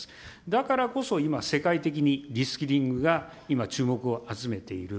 だからこそ今、世界的にリスキリングが今、注目を集めている。